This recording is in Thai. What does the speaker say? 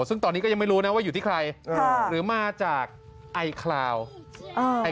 ซึ่งตอนนี้ก็ยังไม่รู้ว่าอยู่ที่ใครหรือมาอาการอิเนี่ย